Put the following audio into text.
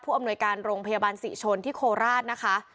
อำนวยการโรงพยาบาลศรีชนที่โคราชนะคะ